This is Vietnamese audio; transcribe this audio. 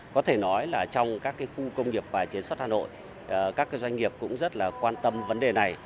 có thể nói là trong các khu công nghiệp và chế xuất hà nội các doanh nghiệp cũng rất là quan tâm vấn đề này